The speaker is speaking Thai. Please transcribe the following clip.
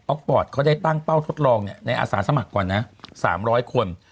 ปอร์ตเขาได้ตั้งเป้าทดลองในอาสาสมัครก่อนนะ๓๐๐คน